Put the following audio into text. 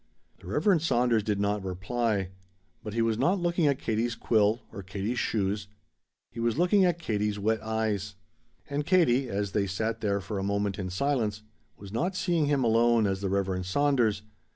The Reverend Saunders did not reply. But he was not looking at Katie's quill or Katie's shoes. He was looking at Katie's wet eyes. And Katie, as they sat there for a moment in silence, was not seeing him alone as the Reverend Saunders.